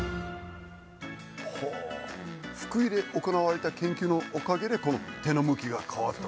福井で行われた研究のおかげでこの手の向きが変わった。